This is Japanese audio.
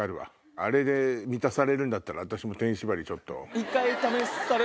あれで満たされるんだったら私も電子鍼ちょっと。